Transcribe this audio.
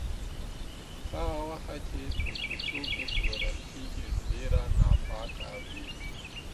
هغه غوښه چې په کوڅو کې پلورل کیږي، ډېره ناپاکه وي.